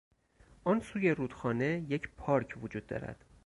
آن سوی رودخانه یک پارک وجود دارد.